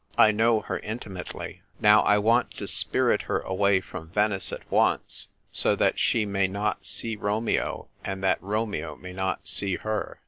I know her intimately. Now, I want to spirit her away from Venice at once, so that she may not see Romeo, and that Romeo may not see her.